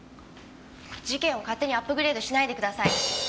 事件を勝手にアップグレードしないでください。